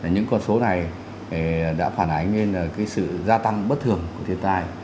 những con số này đã phản ánh lên sự gia tăng bất thường của thiên tai